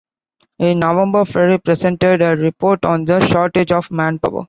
In November Ferry presented a report on the shortage of manpower.